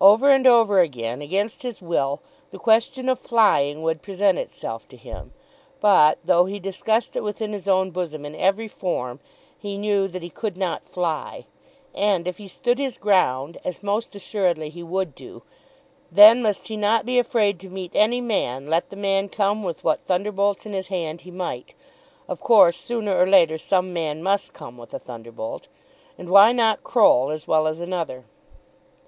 Over and over again, against his will, the question of flying would present itself to him; but, though he discussed it within his own bosom in every form, he knew that he could not fly. And if he stood his ground, as most assuredly he would do, then must he not be afraid to meet any man, let the man come with what thunderbolts in his hand he might. Of course sooner or later some man must come with a thunderbolt, and why not Croll as well as another?